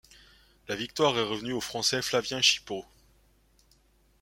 La victoire est revenue au Français Flavien Chipaut.